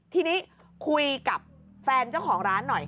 ทีนี้คุยกับแฟนเจ้าของร้านหน่อย